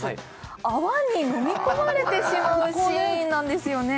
泡に飲み込まれてしまうシーンなんですよね